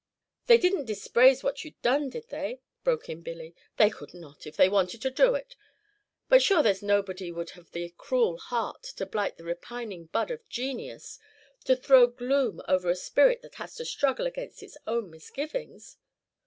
"They did n't dispraise what you done, did they?" broke in Billy. "They could not, if they wanted to do it; but sure there's nobody would have the cruel heart to blight the ripenin' bud of genius, to throw gloom over a spirit that has to struggle against its own misgivin's?"